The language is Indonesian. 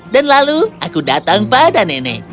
lalu aku datang pada nenek